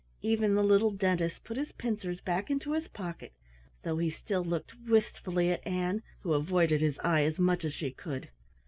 Even the Little Dentist put his pincers back into his pocket, though he still looked wistfully at Ann, who avoided his eye as much as she could.